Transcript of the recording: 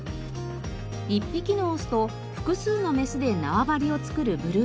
１匹のオスと複数のメスで縄張りを作るブルーヘッド。